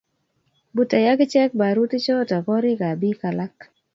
butei ak ichek barutichoto koriikab biik alak